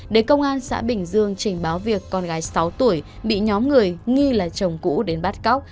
để công an xã bình dương trình báo việc con gái sáu tuổi bị nhóm người nghi là chồng cũ đến bắt cóc